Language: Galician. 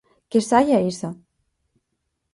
Que saia esa!